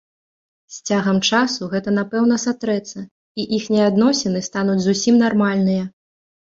З цягам часу гэта напэўна сатрэцца, і іхнія адносіны стануць зусім нармальныя.